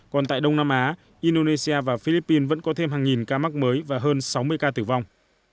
còn tại đông nam á indonesia và philippines vẫn có thêm hàng nghìn ca mắc mới và hơn sáu mươi ca tử vong